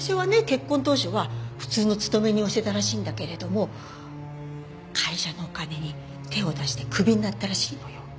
結婚当初は普通の勤め人をしてたらしいんだけれども会社のお金に手を出してクビになったらしいのよ。